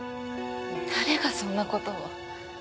誰がそんな事を？